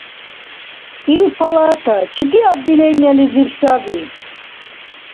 Ил палата чиди отделениелизиб саби?